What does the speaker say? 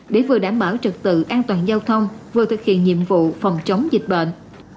để vừa đảm bảo trực tự an toàn giao thông vừa thực hiện nhiệm vụ phòng chống dịch bệnh